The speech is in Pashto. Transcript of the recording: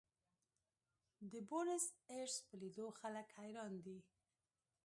د بونیس ایرس په لیدو خلک حیران دي.